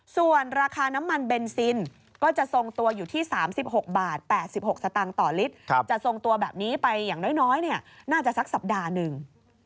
ส่วนราคาน้ำมันเบนซินก็จะทรงตัวอยู่ที่สามสิบหกบาทแปดสิบหกสตางค์ต่อลิตรจะทรงตัวแบบนี้ไปอย่างน้อยน้อยเนี่ยน่าจะสักสัปดาห์หนึ่ง